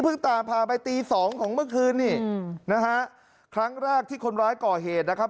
ตามพาไปตีสองของเมื่อคืนนี่นะฮะครั้งแรกที่คนร้ายก่อเหตุนะครับ